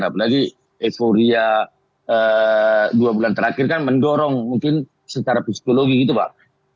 apalagi euforia dua bulan terakhir kan mendorong mungkin secara psikologi gitu pak